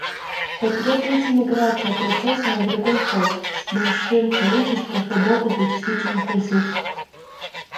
Потребуется миграция процесса на другой хост с большим количеством свободных вычислительных ресурсов